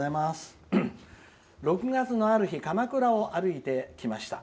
６月のある日鎌倉を歩いてきました。